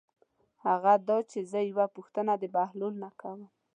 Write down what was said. هغه دا چې زه یوه پوښتنه د بهلول نه کوم.